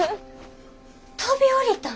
飛び降りたん！？